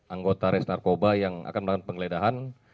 anggota res narkoba yang akan melakukan penggeledahan